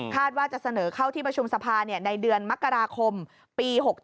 ว่าจะเสนอเข้าที่ประชุมสภาในเดือนมกราคมปี๖๗